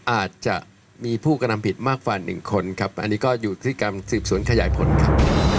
อาจจะมีผู้กระทำผิดมากกว่าหนึ่งคนครับอันนี้ก็อยู่ที่การสืบสวนขยายผลครับ